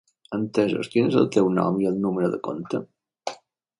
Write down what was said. Entesos, quin és el teu nom i el número de compte?